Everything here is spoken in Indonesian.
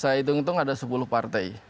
saya hitung hitung ada sepuluh partai